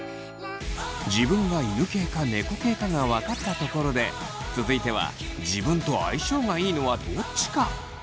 自分が犬系か猫系かが分かったところで続いては自分と相性がいいのはどっちか？